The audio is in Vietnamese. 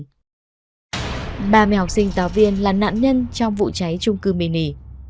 ba mươi học sinh tàu viên là nạn nhân trong vụ cháy chung cư mini